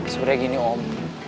sebenernya gini om